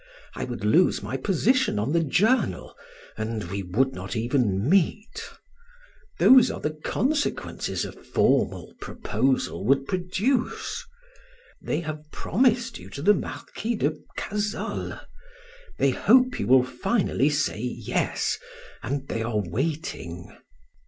I would lose my position on the journal, and we would not even meet. Those are the consequences a formal proposal would produce. They have promised you to the Marquis de Cazolles; they hope you will finally say 'yes' and they are waiting."